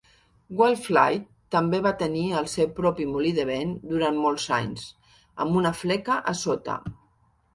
Whitfield també va tenir el seu propi molí de vent durant molts anys, amb una fleca a sota.